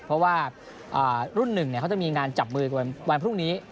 เพราะว่ารุ่นหนึ่งเขาจะมีงานจับมือกันวันพรุ่งนี้